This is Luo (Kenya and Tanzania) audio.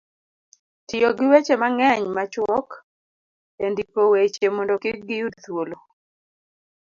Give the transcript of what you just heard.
tiyo gi weche mang'eny machuok e ndiko weche mondo kik giyud thuolo